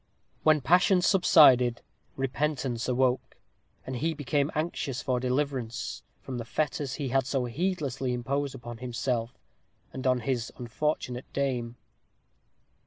When, passion subsided, repentance awoke, and he became anxious for deliverance from the fetters he had so heedlessly imposed on himself, and on his unfortunate dame.